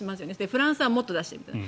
フランスはもっと出しているみたいな。